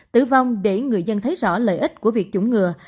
tử vong để người dân thấy rõ lợi ích của việc chủng ngừa